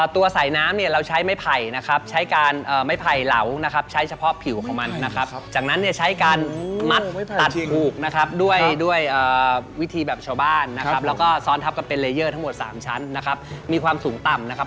ตัวใส่น้ำเนี่ยเราใช้ไม่ไผ่นะครับใช้การไม่ไผ่เหลานะครับใช้เฉพาะผิวของมันนะครับ